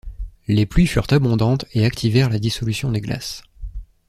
Les pluies furent abondantes et activèrent la dissolution des glaces.